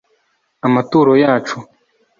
amaturo yacu